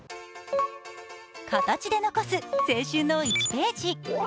形で残す、青春の１ページ。